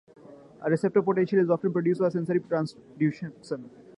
A receptor potential is often produced by sensory transduction.